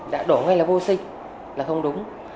đã đổ ngay là vô sinh là không đúng